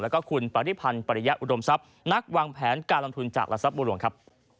แล้วก็คุณปริพันธ์ปริยะอุดมทรัพย์นักวางแผนการลงทุนจากหลักทรัพย์บัวหลวงครับ